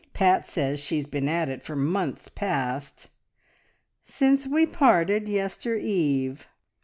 Pat says she's been at it for months past `_Since_ we parted yester eve.'